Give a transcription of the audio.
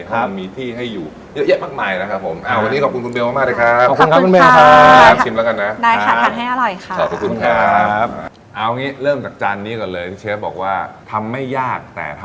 กลับมานั่งที่น่าจะมีมีที่ให้อยู่เยอะแยะมากมายนะครับผม